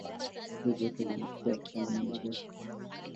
Spishi zote zinatokea Afrika na Madagaska.